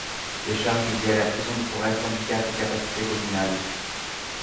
Les charges liées à la prison de Forest handicapent les capacités communales.